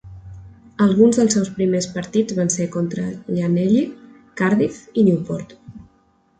Alguns dels seus primers partits van ser contra Llanelli, Cardiff i Newport.